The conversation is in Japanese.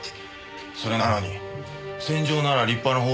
それなのに戦場なら立派な報道写真